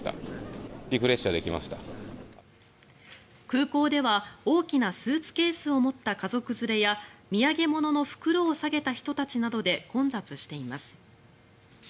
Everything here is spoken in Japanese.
空港では大きなスーツケースを持った家族連れや土産物の袋を提げた人たちなどで混雑しています。